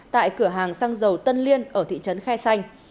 tại cửa hàng xăng dầu tân liên ở thị trấn khe xanh